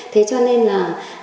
thế cho nên là